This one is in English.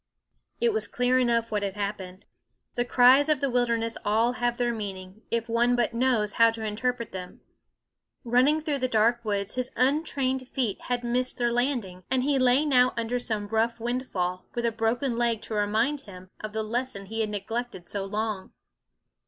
It was clear enough what had happened. The cries of the wilderness all have their meaning, if one but knows how to interpret them. Running through the dark woods his untrained feet had missed their landing, and he lay now under some rough windfall, with a broken leg to remind him of the lesson he had neglected so long.